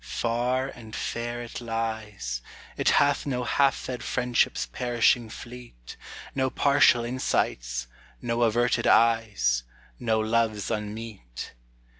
Far and fair it lies; It hath no half fed friendships perishing fleet, No partial insights, no averted eyes, No loves unmeet.